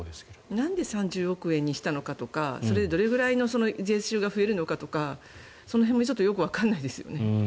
なんで３０億円にしたのかとかそれでどのぐらい税収が増えるのかとか、その辺もちょっとわからないですよね。